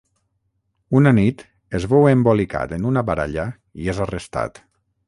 Una nit es veu embolicat en una baralla i és arrestat.